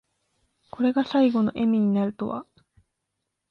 これが最期の笑みになるとは。